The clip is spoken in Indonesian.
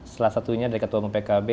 salah satunya dari ketua umum pkb